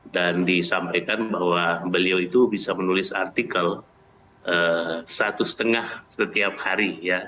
dan disampaikan bahwa beliau itu bisa menulis artikel satu lima setiap hari